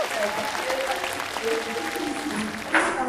This form of peg is often fashioned from plastic, or originally, wood.